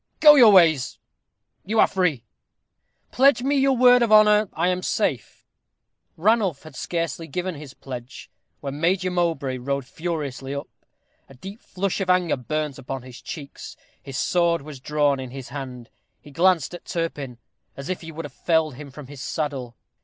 "Go your ways. You are free." "Pledge me your word of honor I am safe." Ranulph had scarcely given his pledge, when Major Mowbray rode furiously up. A deep flush of anger burnt upon his cheeks; his sword was drawn in his hand. He glanced at Turpin, as if he would have felled him from his saddle.